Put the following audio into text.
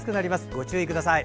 ご注意ください。